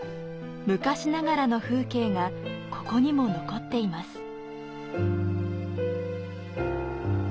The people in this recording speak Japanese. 昔ながらの風景がここにも残っています。